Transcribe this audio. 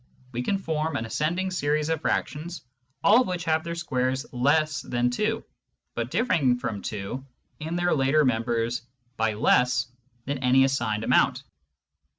We can form an ascending series of fractions all of which have their squares less than 2, but differing from 2 in their later members by less than any assigned amount.